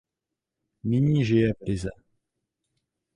Nyní žije v Rize.